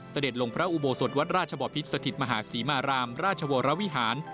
เสด็จลงพระอุโบสถวัดราชบอพิษสถิตมหาศรีมารามราชวรวิหาร